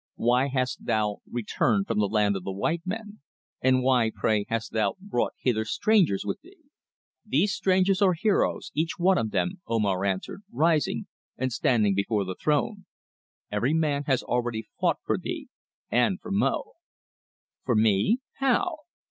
"Why hast thou returned from the land of the white men, and why, pray, hast thou brought hither strangers with thee?" "These strangers are heroes, each one of them," Omar answered, rising, and standing before the throne. "Every man has already fought for thee, and for Mo." "For me? How?"